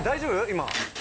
今。